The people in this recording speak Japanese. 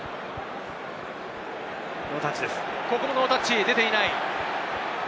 ここもノータッチ、出ていない。